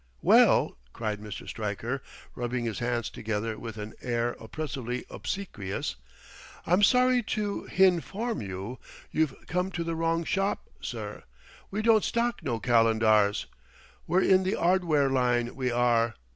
"Well!" cried Mr. Stryker, rubbing his hands together with an air oppressively obsequious, "I'm sorry to hin form you you've come to the wrong shop, sir; we don't stock no Calendars. We're in the 'ardware line, we are.